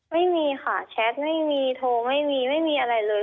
ไม่มีค่ะแชทไม่มีโทรไม่มีไม่มีอะไรเลย